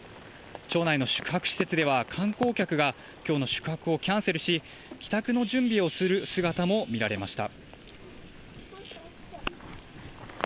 町内の宿泊施設では観光客がきょうの宿泊をキャンセルし、帰宅の準備をする姿も見られました。